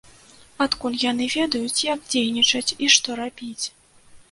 Адкуль яны ведаюць як дзейнічаць і што рабіць?